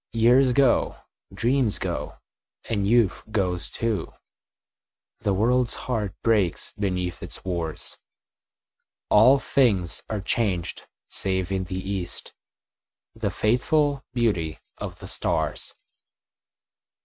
Years go, dreams go, and youth goes too, The world's heart breaks beneath its wars, All things are changed, save in the east The faithful beauty of the stars.